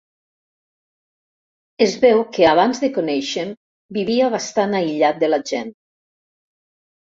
Es veu que abans de coneixe'm vivia bastant aïllat de la gent.